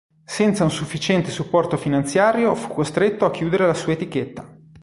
Senza un sufficiente supporto finanziario fu costretto a chiudere la sua etichetta.